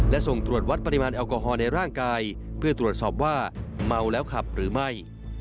และส่งตรวจวัดปริมาณแอลกอฮอลในร่างกายเพื่อตรวจสอบว่าเมาแล้วขับหรือไม่